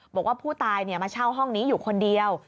บอกว่าผู้ตายมาเช่าห้องนี้อยู่คนเดียว